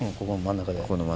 ここの真ん中で。